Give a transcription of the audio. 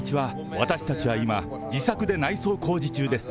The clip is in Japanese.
私たちは今、自作で内装工事中です。